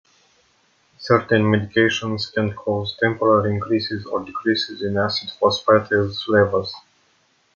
Certain medications can cause temporary increases or decreases in acid phosphatase levels.